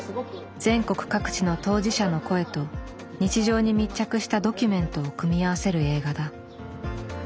全国各地の当事者の声と日常に密着したドキュメントを組み合わせる映画だ。